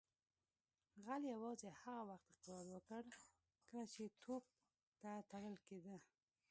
غل یوازې هغه وخت اقرار وکړ کله چې توپ ته تړل کیده